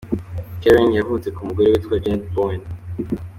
Karen, yavutse , ku mugore witwa Janet Bowen ;.